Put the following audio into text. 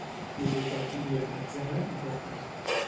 Ludopatia, atzar i pòquer.